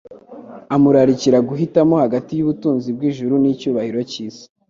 Amurarikira guhitamo hagati y'ubutunzi bw'ijuru n'icyubahiro cy'isi.